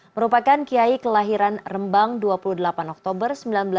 merupakan kiai kelahiran rembang dua puluh delapan oktober seribu sembilan ratus empat puluh